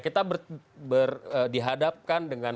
kita dihadapkan dengan